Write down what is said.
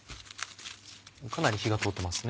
かなり火が通ってますね。